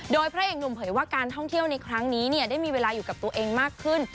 โดยพระเอกหนุ่มเผยว่าการท่องเที่ยวในครั้งนี้ได้มีเวลาอยู่กับตัวเองมากขึ้น